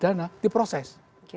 dikapai dana diproses